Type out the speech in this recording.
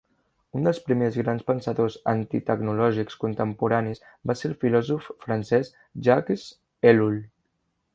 Un dels primers grans pensadors antictecnològics contemporanis va ser el filòsof francès Jacques Ellul.